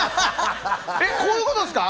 こういうことですか？